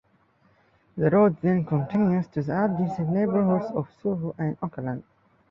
The road then continues to the adjacent neighborhoods of Soho and Oakland.